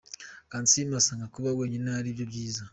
Kansiime asanga kuba wenyine ari byo byiza.